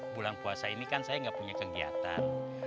bulan puasa ini kan saya nggak punya kegiatan